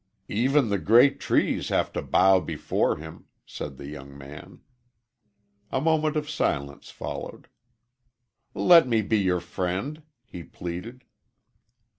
"Even the great trees have to bow before him," said the young man. A moment of silence followed. "Let me be your friend," he pleaded.